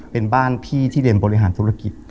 เป็นบ้านพี่ที่เรียนบริหารธุรกิจ